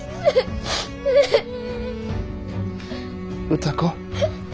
歌子。